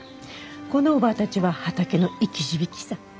このおばぁたちは畑の生き字引さ。